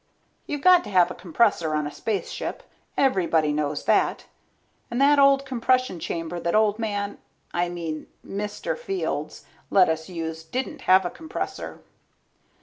You've got to have a compressor on a spaceship, everybody knows that. And that old compression chamber that old man ... I mean Mr. Fields let us use didn't have a compressor.